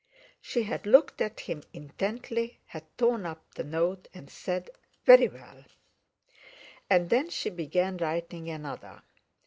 She had looked at him intently, had torn up the note, and said: "Very well!" And then she began writing another.